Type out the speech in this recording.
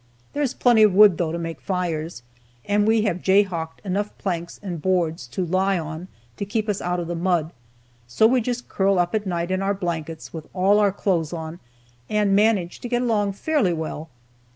There is plenty of wood, though, to make fires, and we have jayhawked enough planks and boards to lie on to keep us out of the mud, so we just curl up at night in our blankets with all our clothes on, and manage to get along fairly well.